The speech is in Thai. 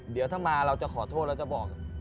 เดี๋ยวถ้ามาเราจะขอโทษเราจะบอก